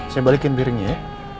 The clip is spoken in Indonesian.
saya balikin piringnya ya